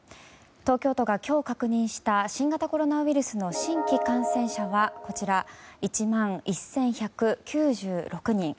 東京都が今日確認した新型コロナウイルスの新規感染者は１万１１９６人。